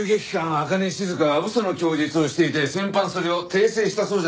朱音静は嘘の供述をしていて先般それを訂正したそうじゃないか。